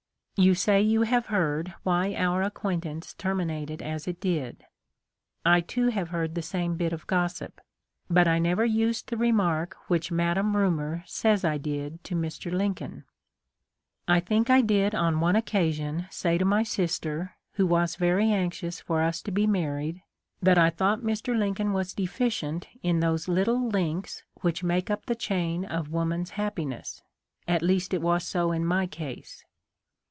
" You say you have heard why our acquaintance terminated as it did. I too have heard the same bit of gossip ; but I never used the remark which Madame Rumor says I did to Mr. Lincoln. I think I did on one occasion say to my sister, who was very anxious for us to be married, that I thought Mr. Lincoln was deficient in those little links which make up the chain of woman's happiness — at least it was so in my case.